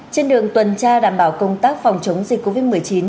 trên đường tuần tra đảm bảo công tác phòng chống dịch covid một mươi chín